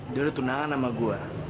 dia udah tunangan sama gue